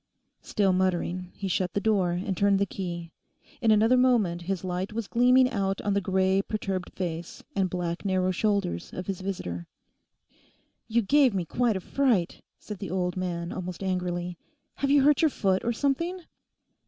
Still muttering, he shut the door and turned the key. In another moment his light was gleaming out on the grey perturbed face and black narrow shoulders of his visitor. 'You gave me quite a fright,' said the old man almost angrily; 'have you hurt your foot, or something?